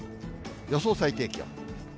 予想最低気温。